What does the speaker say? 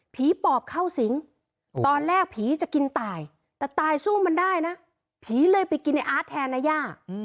ปอบเข้าสิงตอนแรกผีจะกินตายแต่ตายสู้มันได้นะผีเลยไปกินในอาร์ตแทนนะย่า